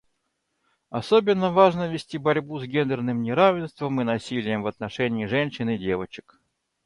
Особенно важно вести борьбу с гендерным неравенством и насилием в отношении женщин и девочек.